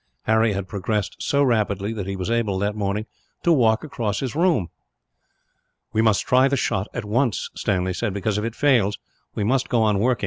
Harry had progressed so rapidly that he was able, that morning, to walk across his room. "We must try the shot, at once," Stanley said, "because if it fails, we must go on working.